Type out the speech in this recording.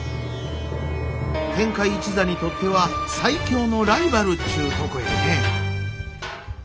天海一座にとっては最強のライバルっちゅうとこやね。